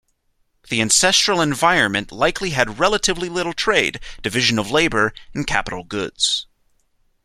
The ancestral environment likely had relatively little trade, division of labor, and capital goods.